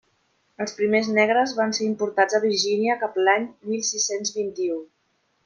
Els primers negres van ser importats a Virgínia cap a l'any mil sis-cents vint-i-u.